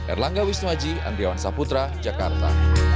erlangga wisnuaji andriawan saputra jakarta